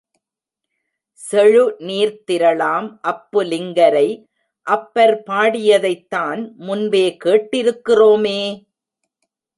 செழு நீர்த்திரளாம் அப்பு லிங்கரை அப்பர் பாடியதைத்தான் முன்பே கேட்டிருக்கிறோமே.